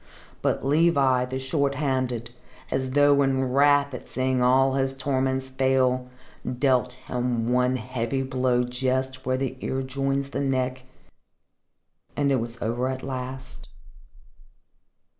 But Levi, the Short handed, as though in wrath at seeing all his torments fail, dealt him one heavy blow just where the ear joins the neck, and it was over at last.